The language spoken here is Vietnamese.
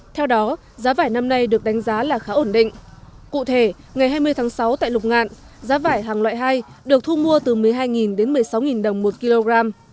theo đó giá vải năm nay được đánh giá là khá ổn định cụ thể ngày hai mươi tháng sáu tại lục ngạn giá vải hàng loại hai được thu mua từ một mươi hai đến một mươi sáu đồng một kg